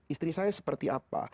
istri saya seperti apa